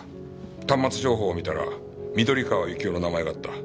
端末情報を見たら緑川幸雄の名前があった。